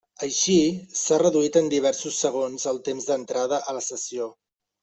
Així, s'ha reduït en diversos segons el temps d'entrada a la sessió.